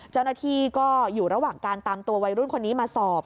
เจ้าหน้าที่ก็อยู่ระหว่างการตามตัววัยรุ่นคนนี้มาสอบ